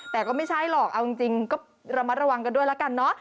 แต่ก็ไม่ใช่หรอกเอาจริงก็ระมัดระวังกันด้วยแล้วกันเนอะ